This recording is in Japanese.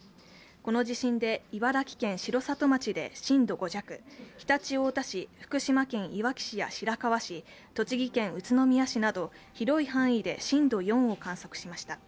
この地震で、茨城県城里町で震度５弱常陸太田市、福島県いわき市や白河市、栃木県宇都宮市など広い範囲で震度４を観測しました。